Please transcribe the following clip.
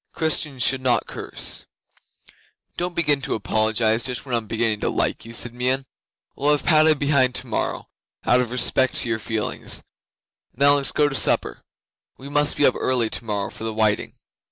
Christians should not curse. '"Don't begin to apologise Just when I am beginning to like you," said Meon. "We'll leave Padda behind tomorrow out of respect to your feelings. Now let's go to supper. We must be up early tomorrow for the whiting."